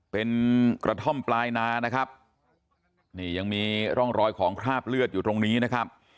เป็นกระท่อมปลายนานะครับนี่ยังมีร่องรอยของคราบเลือดอยู่ตรงนี้นะครับ